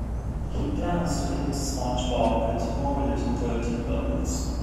He plans to hit SpongeBob with more Little Dirty Bubbles.